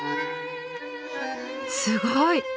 すごい！